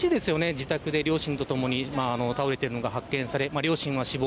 自宅で両親と共に倒れているのが発見され両親は死亡。